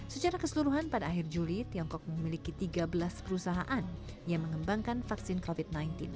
secara keseluruhan pada akhir juli tiongkok memiliki tiga belas perusahaan yang mengembangkan vaksin covid sembilan belas